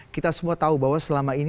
kita semua tahu bahwa selama ini